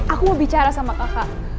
aku bicara sama kakak